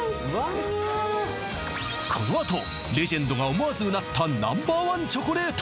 このあとレジェンドが思わずうなったＮｏ．１チョコレート！